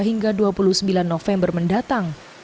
hingga dua puluh sembilan november mendatang